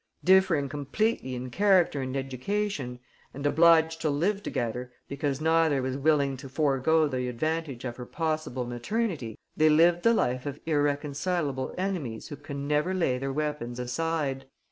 Differing completely in character and education and obliged to live together because neither was willing to forego the advantage of her possible maternity, they lived the life of irreconcilable enemies who can never lay their weapons aside....